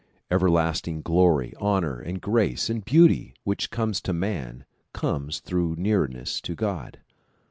Every lasting glory, honor, grace and beauty which comes to man comes through nearness to God.